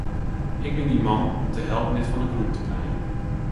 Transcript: Ik bin dyn man om te helpen dit fan 'e grûn te krijen.